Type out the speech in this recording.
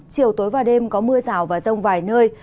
chiều tối và đêm có mưa rào và rông vài nơi